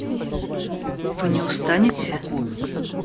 Вы не устанете?